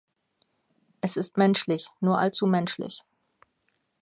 Es ist menschlich, nur allzu menschlich.